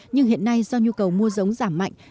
nhưng hiện nay do nhu cầu mua giống giảm mạnh